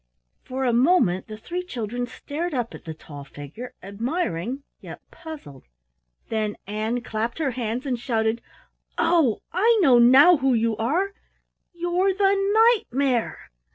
For a moment the three children stared up at the tall figure, admiring yet puzzled, then Ann clapped her hands and shouted: "Oh, I know now who you are you're the Knight mare!"